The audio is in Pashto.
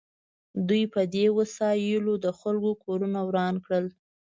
دوی په دې وسایلو د خلکو کورونه وران کړل